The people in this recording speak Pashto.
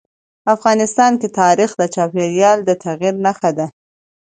افغانستان کې تاریخ د چاپېریال د تغیر نښه ده.